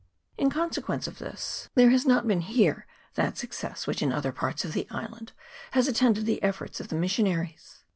In consequence of this there has not been here that success which in other parts of the island has attended the efforts of the missionaries.